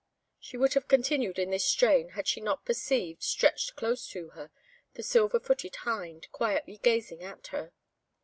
She would have continued in this strain had she not perceived, stretched close to her, the Silver footed Hind, quietly gazing at her.